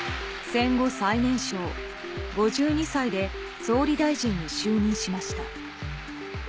戦後最年少、５２歳で総理大臣に就任しました。